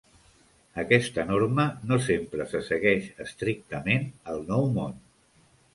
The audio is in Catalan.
Aquesta norma no sempre se segueix estrictament al Nou Món.